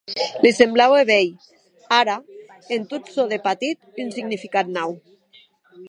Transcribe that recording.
Li semblaue veir, ara, en tot çò de patit un significat nau.